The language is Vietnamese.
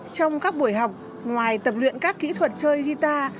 trong các buổi học ngoài tập luyện các kỹ thuật chơi guitar